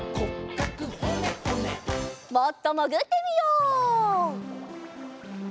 もっともぐってみよう。